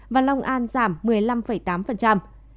và long an giảm một mươi năm tám